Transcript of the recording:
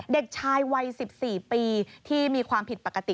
เด็กชายวัย๑๔ปีที่มีความผิดปกติ